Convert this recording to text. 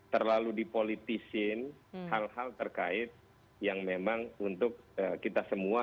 terlalu dipolitisin hal hal terkait yang memang untuk kita semua